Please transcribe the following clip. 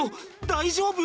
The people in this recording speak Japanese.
大丈夫？